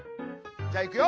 じゃあいくよ！